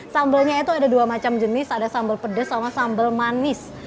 sambelnya itu ada dua macam jenis ada sambel pedes sama sambel manis